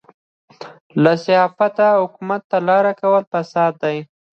له صحافته حکومت ته لاره کول فساد دی.